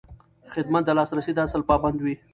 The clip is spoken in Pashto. خدمت د لاسرسي د اصل پابند وي.